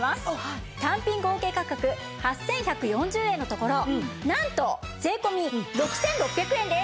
単品合計価格８１４０円のところなんと税込６６００円です！